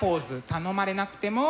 「頼まれなくても」。